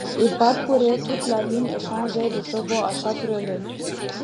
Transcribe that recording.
Ils parcouraient toute la ligne et changeaient de chevaux à chaque relais.